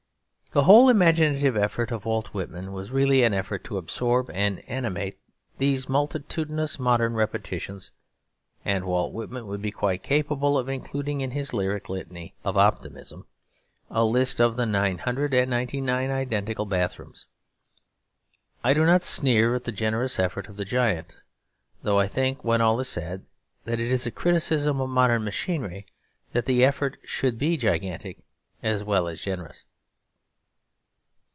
The whole imaginative effort of Walt Whitman was really an effort to absorb and animate these multitudinous modern repetitions; and Walt Whitman would be quite capable of including in his lyric litany of optimism a list of the nine hundred and ninety nine identical bathrooms. I do not sneer at the generous effort of the giant; though I think, when all is said, that it is a criticism of modern machinery that the effort should be gigantic as well as generous.